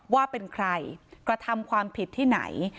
ว่าเป็นใครกระทำความผิดที่ไหน